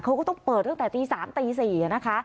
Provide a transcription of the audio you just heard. เขาก็ต้องเปิดตั้งแต่ตี๓ตี๔นะคะ